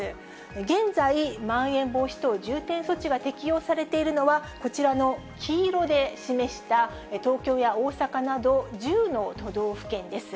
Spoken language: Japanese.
現在、まん延防止等重点措置が適用されているのは、こちらの黄色で示した、東京や大阪など１０の都道府県です。